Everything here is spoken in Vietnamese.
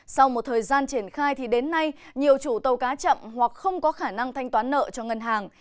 sau một thời gian triển khai thì đến nay nhiều chủ tàu cá chậm hoặc không có khả năng thanh toán nợ cho ngân hàng